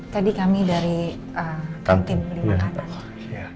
tadi kami dari kantin beli makanan